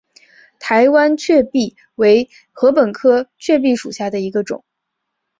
台湾雀稗为禾本科雀稗属下的一个种。